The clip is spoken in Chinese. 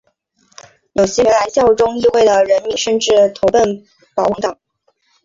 有些原来效忠议会的人民甚至投奔保王党。